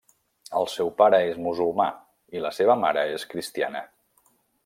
El seu pare és musulmà i la seva mare és cristiana.